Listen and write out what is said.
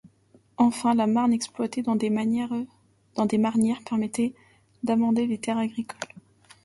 Enfin, la marne exploitée dans des marnières permettait d'amender les terres agricoles.